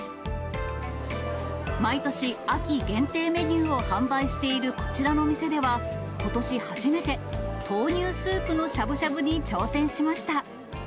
毎年、秋限定メニューを販売しているこちらの店では、ことし初めて、豆乳スープのしゃぶしゃぶに挑戦しました。